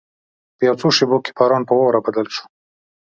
په یو څو شېبو کې باران په واوره بدل شو.